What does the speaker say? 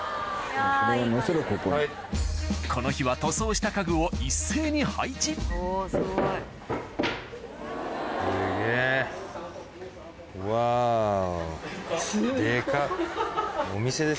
この日は塗装した家具を一斉に配置うわお。